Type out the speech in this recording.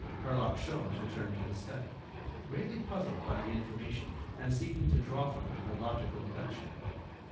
Herlock Sholmes returned to the study, greatly puzzled by the information and seeking to draw from it a logical deduction.